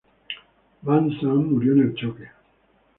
Van Zant murió en el choque.